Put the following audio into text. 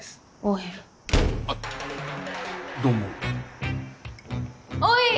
あっどうもおい！